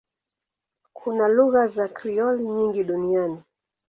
Kuna lugha za Krioli nyingi duniani.